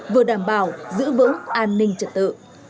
vừa đảm bảo giữ vững an ninh trật tự